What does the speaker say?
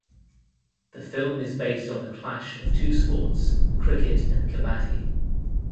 The film is based on the clash of two sports cricket and kabaddi.